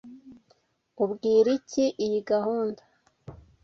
Ubwira iki iyi gahunda?